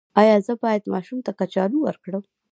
ایا زه باید ماشوم ته کچالو ورکړم؟